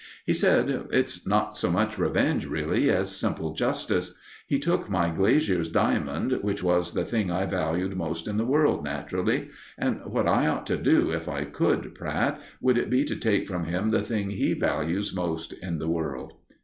He said: "It's not so much a revenge, really, as simple justice. He took my glazier's diamond, which was the thing I valued most in the world, naturally; and what I ought to do, if I could, Pratt, would be to take from him the thing he values most in the world."